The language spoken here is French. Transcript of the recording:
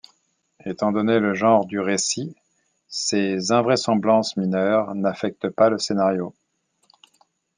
Étant donné le genre du récit, ces invraisemblances mineures n'affectent pas le scénario.